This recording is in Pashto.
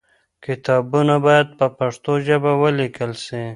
کتابونه باید په پښتو ژبه ولیکل سي.